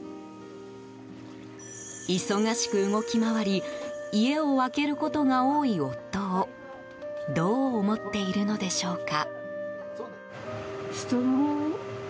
忙しく動き回り家を空けることが多い夫をどう思っているのでしょうか。